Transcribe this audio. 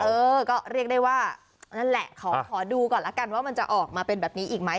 เออก็เรียกได้ว่านั่นแหละขอดูก่อนแล้วกันว่ามันจะออกมาเป็นแบบนี้อีกไหม